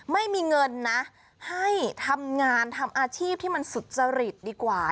ไม่มีเงินนะให้ทำงานทำอาชีพที่มันสุจริตดีกว่า